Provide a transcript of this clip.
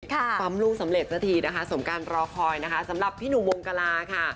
ปั๊มลูกสำเร็จสักทีนะคะสมการรอคอยนะคะสำหรับพี่หนุ่มวงกลาค่ะ